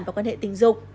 và quan hệ tình dục